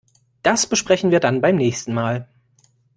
Das besprechen wir dann beim nächsten Mal.